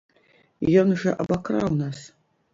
Ён жа абакраў нас!